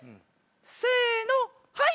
せのはい！